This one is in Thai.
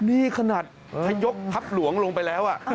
นี่ขนาดทยกทัพหลวงลงไปแล้ว